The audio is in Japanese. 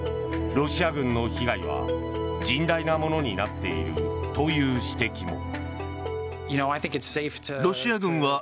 ロシア軍の被害は甚大なものになっているという指摘も。